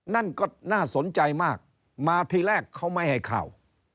นั่นก็น่าสนใจมากมาทีแรกเขาไม่ให้เข้า